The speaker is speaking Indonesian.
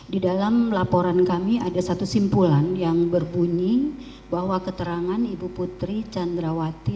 di dalam laporan kami ada satu simpulan yang berbunyi bahwa keterangan ibu putri candrawati